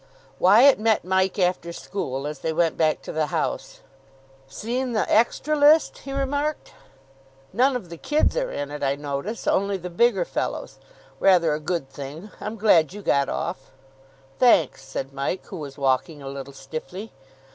Wyatt met Mike after school, as they went back to the house. "Seen the 'extra' list?" he remarked. "None of the kids are in it, I notice. Only the bigger fellows. Rather a good thing. I'm glad you got off." "Thanks," said Mike, who was walking a little stiffly.